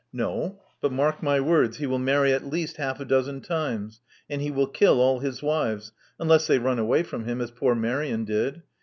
No. But mark my words, he will marry at least half a dozen times; and he will kill all his wives, unless they run away from him, as poor Marian did.